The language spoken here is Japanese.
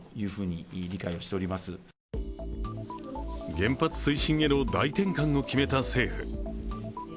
原発推進への大転換を決めた政府。